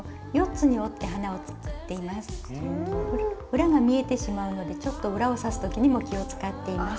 裏が見えてしまうのでちょっと裏を刺す時にも気を遣っています。